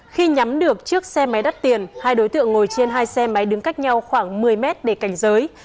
khi nhắm được chiếc xe máy đắt tiền hai đối tượng ngồi trên hai xe máy đứng cách nhau khoảng một mươi mét để cảnh giới